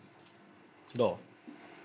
どう？